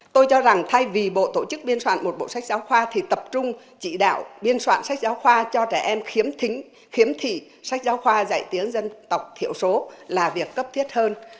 tôi cho rằng thay vì bộ tổ chức biên soạn một bộ sách giáo khoa thì tập trung chỉ đạo biên soạn sách giáo khoa cho trẻ em khiếm thị sách giáo khoa dạy tiếng dân tộc thiểu số là việc cấp thiết hơn